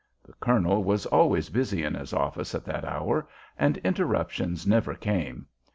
The colonel was always busy in his office at that hour, and interruptions never came.